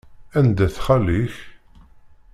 Anda-t xali-k?